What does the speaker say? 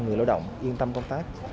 người lao động yên tâm công tác